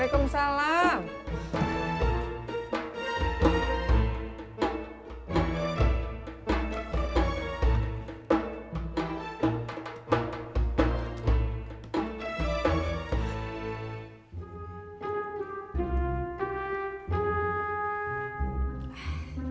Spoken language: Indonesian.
bapak aku mau ambil air